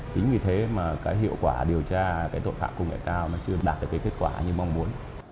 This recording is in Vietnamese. chính vì thế mà hiệu quả điều tra tội phạm công nghệ cao chưa đạt được kết quả như mong muốn